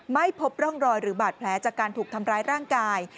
ไม่พบร่องรอยหรือบาดแผลจากการถูกทำร้ายร่างกาย